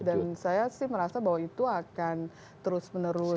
dan saya sih merasa bahwa itu akan terus menerus terjadi